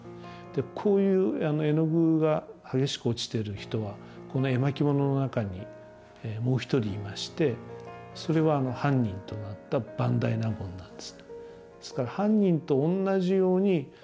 こういう絵の具が激しく落ちてる人はこの絵巻物の中にもう一人いましてそれは犯人となった伴大納言なんです。